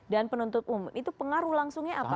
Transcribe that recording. dan penuntut umum itu pengaruh langsungnya apa